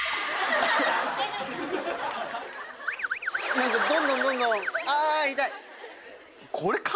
何かどんどんどんどん。